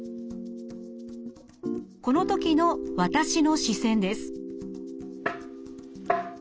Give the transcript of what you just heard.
このときの私の視線です。